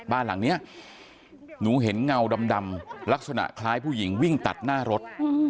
บ้านหลังนี้หนูเห็นเงาดำลักษณะคล้ายผู้หญิงวิ่งตัดหน้ารถ